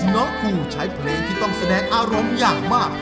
น้องครูใช้เพลงที่ต้องแสดงอารมณ์อย่างมาก